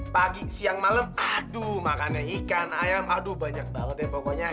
pagi siang malam aduh makannya ikan ayam aduh banyak banget ya pokoknya